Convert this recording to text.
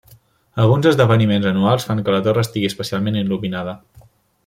Alguns esdeveniments anuals fan que la torre estigui especialment il·luminada.